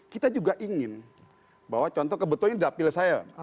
kita juga ingin bahwa contoh kebetulan ini dapil saya